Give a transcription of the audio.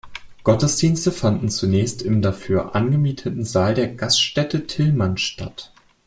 Gottesdienste fanden zunächst im dafür angemieteten Saal der Gaststätte Tillmanns statt.